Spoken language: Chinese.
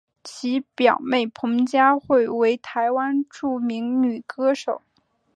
其表妹彭佳慧为台湾著名女歌手。